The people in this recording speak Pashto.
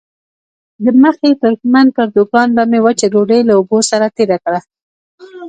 د مخي ترکمن پر دوکان به مې وچه ډوډۍ له اوبو سره تېره کړه.